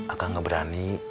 akang gak berani